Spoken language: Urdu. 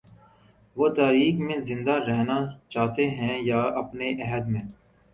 وہ تاریخ میں زندہ رہنا چاہتے ہیں یا اپنے عہد میں؟